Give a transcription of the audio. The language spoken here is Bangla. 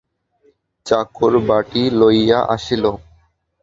চাকর বঁটি লইয়া আসিল।